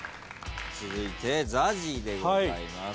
続いてＺＡＺＹでございます。